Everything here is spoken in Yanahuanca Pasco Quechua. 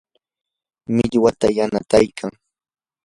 millwata yanataykan.